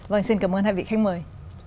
vâng xin cảm ơn hai vị khách mời